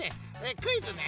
クイズね。